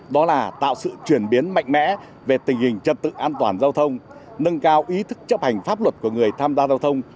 đó là tạo sự chuyển biến mạnh mẽ về tình hình trật tự an toàn giao thông nâng cao ý thức chấp hành pháp luật của người tham gia giao thông